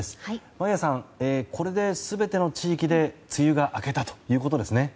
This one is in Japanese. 眞家さん、これで全ての地域で梅雨が明けたということですね。